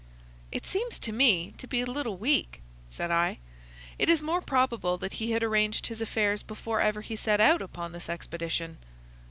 "It seems to me to be a little weak," said I. "It is more probable that he had arranged his affairs before ever he set out upon his expedition."